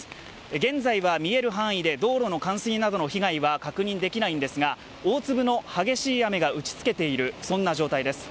現在は見える範囲で道路の冠水などの被害は確認できないんですが大粒の激しい雨が打ちつけている状態です。